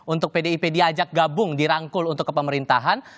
untuk pdip diajak gabung dirangkul untuk kepemerintahan